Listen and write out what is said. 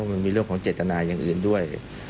มันมีเรื่องของเจตนาอย่างอื่นด้วย